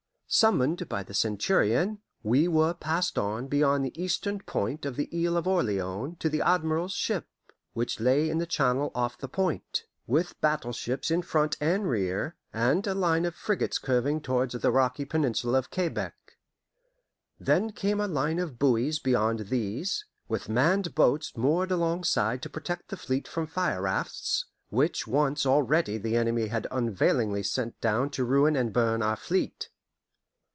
Summoned by the Centurion, we were passed on beyond the eastern point of the Isle of Orleans to the admiral's ship, which lay in the channel off the point, with battleships in front and rear, and a line of frigates curving towards the rocky peninsula of Quebec. Then came a line of buoys beyond these, with manned boats moored alongside to protect the fleet from fire rafts, which once already the enemy had unavailingly sent down to ruin and burn our fleet.